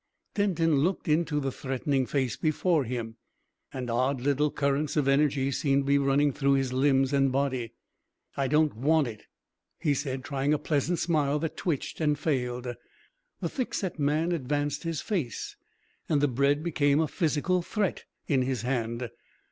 Denton looked into the threatening face before him, and odd little currents of energy seemed to be running through his limbs and body. "I don't want it," he said, trying a pleasant smile that twitched and failed. The thickset man advanced his face, and the bread became a physical threat in his hand.